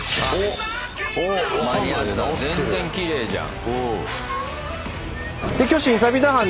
全然きれいじゃん。